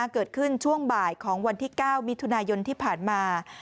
ช่วงบ่ายของวันที่๙มิถุนายนที่ผ่านมา